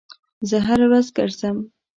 زه هره ورځ ګرځم